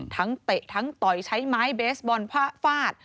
เตะทั้งต่อยใช้ไม้เบสบอลพระฟาด